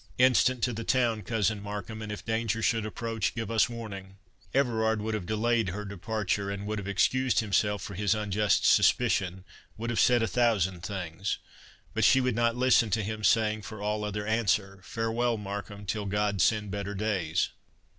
Instant to the town, Cousin Markham; and if danger should approach, give us warning." Everard would have delayed her departure, would have excused himself for his unjust suspicion, would have said a thousand things; but she would not listen to him, saying, for all other answer,—"Farewell, Markham, till God send better days!"